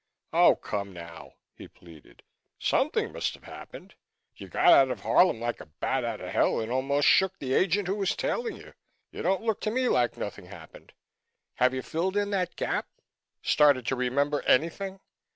"Oh, come now," he pleaded. "Something must have happened. You got out of Harlem like a bat out of hell and almost shook the agent who was tailing you. You don't look to me like nothing happened. Have you filled in that gap? Started to remember anything?"